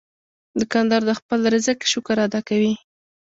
دوکاندار د خپل رزق شکر ادا کوي.